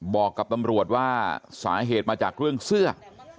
บอกกับตำรวจว่าสาเหตุมาจากเรื่องเสื้อ